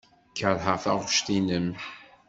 Keṛheɣ taɣect-nnem.